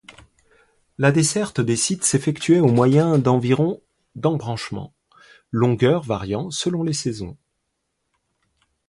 La desserte des sites s'effectuait au moyen d'environ d'embranchements, longueur variant selon les saisons.